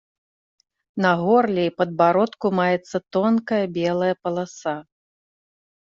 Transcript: На горле і падбародку маецца тонкая, белая паласа.